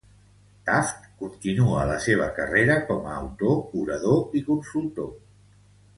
Taft continua la seva carrera com a autor, orador i consultor.